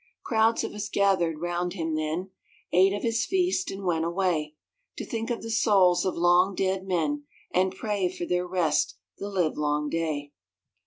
Crowds of us gathered round Him then, Ate of His feast and went away To think of the souls of long dead men And pray for their rest the live long day.